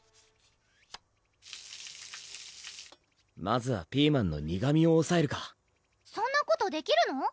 まずはピーマンの苦みをおさえるかそんなことできるの？